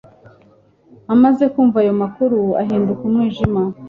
Amaze kumva ayo makuru, ahinduka umwijima